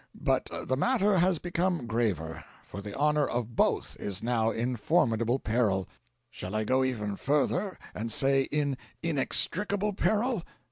But the matter has become graver; for the honour of BOTH is now in formidable peril. Shall I go even further, and say in inextricable peril?